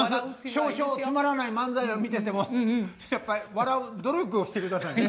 少々つまらない漫才を見ててもやっぱり笑う努力をしてくださいね。